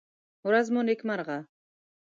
ورڅ مو نېکمرغه!